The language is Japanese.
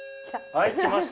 「はい来ました」